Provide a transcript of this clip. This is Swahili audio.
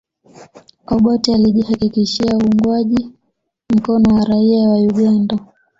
Obote alijihakikishia uungwaji mkono wa raia wa Uganda